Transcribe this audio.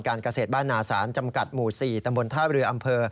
การเกษตรบ้านนาศาลจำกัดหมู่๔ตำบลท่าเรืออำเภอ